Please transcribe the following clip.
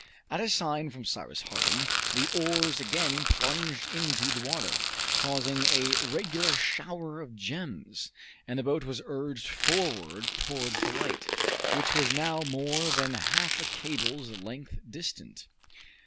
At a sign from Cyrus Harding the oars again plunged into the water, causing a regular shower of gems, and the boat was urged forward towards the light, which was now not more than half a cable's length distant.